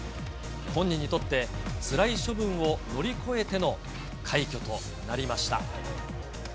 本人にとって、つらい処分を乗り越えての快挙となりました。